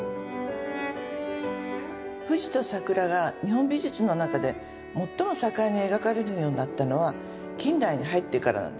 富士と桜が日本美術の中で最も盛んに描かれるようになったのは近代に入ってからなんですね。